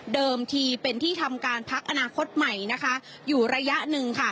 ทีเป็นที่ทำการพักอนาคตใหม่นะคะอยู่ระยะหนึ่งค่ะ